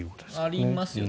ありますよね。